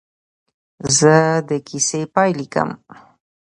زه د کیسې پاې لیکم.